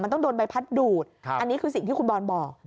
ต้องโดนใบพัดดูดอันนี้คือสิ่งที่คุณบอลบอก